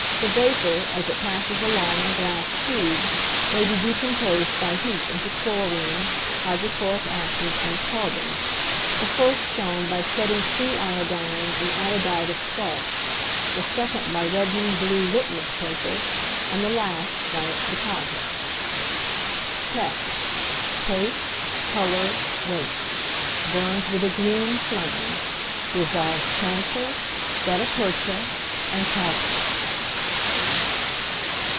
The vapour, as it passes along a glass tube, may be decomposed by heat into chlorine, hydrochloric acid, and carbon the first shown by setting free iodine in iodide of starch, the second by reddening blue litmus paper, and the last by its deposit. Tests. Taste, colour, weight; burns with a green flame; dissolves camphor, guttapercha, and caoutchouc.